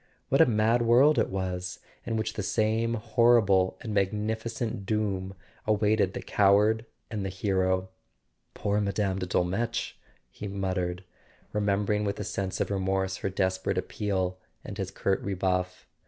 What a mad world it was, in which the same horrible and magnificent doom awaited the coward and the hero! "Poor Mme. de Dolmetsch!" he muttered, remem¬ bering with a sense of remorse her desperate appeal and his curt rebuff.